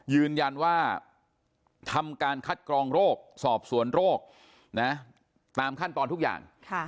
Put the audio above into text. ยืนยันว่าทำการคัดกรองโรคสอบสวนโรคตามขั้นตอนทุกอย่าง